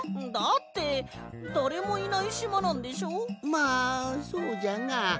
まあそうじゃが。